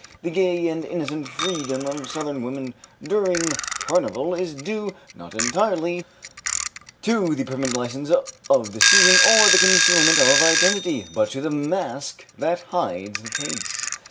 The gay and innocent freedom of southern women during Carnival is due not entirely to the permitted license of the season or the concealment of identity, but to the mask that hides the face.